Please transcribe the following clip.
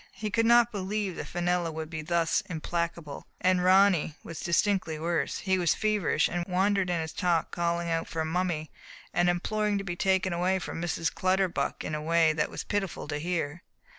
He could not believe that Fenella would be thus implacable. And Ronny was distinctly worse, he was feverish, and wandered in his talk,' calling out for ''Mum my'* and imploring to be taken away from Mrs. Clutterbuck in a way that was pitiful to hear.